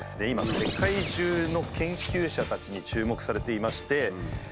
今世界中の研究者たちに注目されていまして。